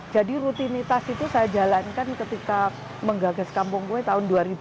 jadi rutinitas itu saya jalankan ketika menggagas kampung kue tahun dua ribu lima